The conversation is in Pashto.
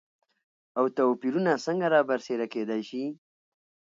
او توپېرونه څنګه رابرسيره کېداي شي؟